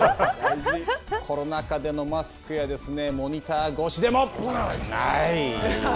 コロナ禍でのマスクやモニター越ボナライズ。